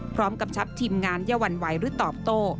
พร้อมกับชัพทีมงานเยาวรรย์ไหวหรือตอบโต